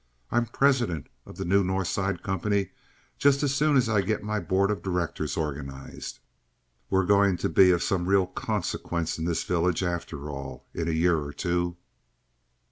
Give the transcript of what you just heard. I'm president of the new North Side company just as soon as I get my board of directors organized. We're going to be of some real consequence in this village, after all, in a year or two."